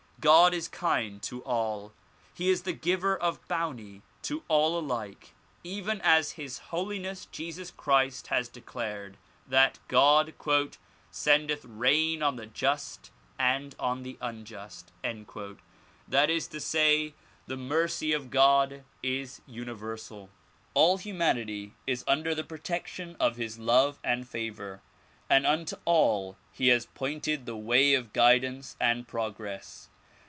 God is kind to all ; he is the giver of bounty to all alike, even as His Holi ness Jesus Christ has declared that God "sendeth rain on the .just and on the unjust;" that is to say, the mercy of God is universal. All humanity is under the protection of his love and favor, and unto all he has pointed the way of guidance and progress.